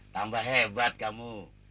tambah hebat kamu